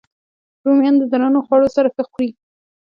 رومیان د درنو خوړو سره ښه خوري